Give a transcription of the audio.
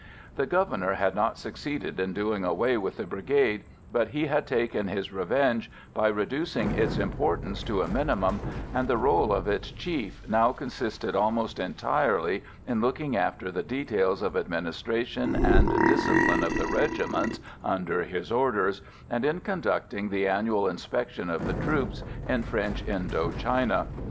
The Governor had not succeeded in doing away with the Brigade, but he had taken his revenge by reducing its importance to a minimum, and the rôle of its chief now consisted almost entirely in looking after the details of administration and discipline of the regiments under his orders, and in conducting the annual inspection of the troops in French Indo China.